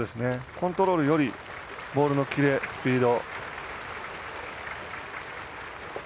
コントロールよりボールのキレ、スピード。